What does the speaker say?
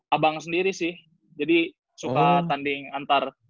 abang sendiri sih jadi suka tanding antar